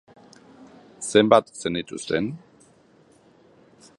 Zenbat zenituzten?